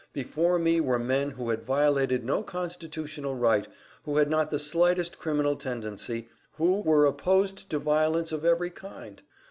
Before me were men who had violated no constitutional right, who had not the slightest criminal tendency, who, were opposed to violence of every kind.